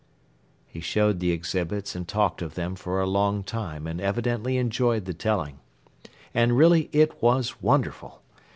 He showed the exhibits and talked of them for a long time and evidently enjoyed the telling. And really it was wonderful!